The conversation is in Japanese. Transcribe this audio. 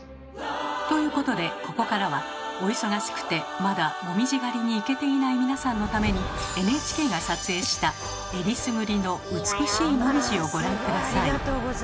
ということでここからはお忙しくてまだもみじ狩りに行けていない皆さんのためにＮＨＫが撮影したえりすぐりの美しいもみじをご覧下さい。